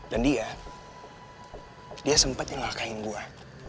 dan dia dia sempatnya ngalahkain gue